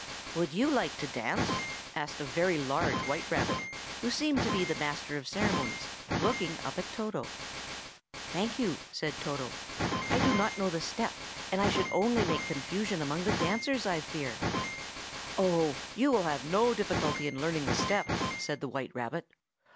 "Would you like to dance?" asked a very large white rabbit, who seemed to be the master of ceremonies, looking up at Toto. "Thank you," said Toto. "I do not know the step, and I should only make confusion among the dancers, I fear." "Oh, you will have no difficulty in learning the step," said the white rabbit.